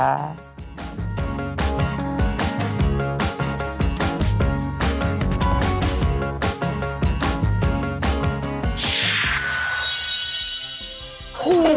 สวัสดีครับ